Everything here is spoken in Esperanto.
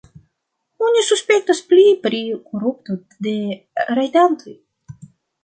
Oni suspektas pli pri korupto de rajdantoj.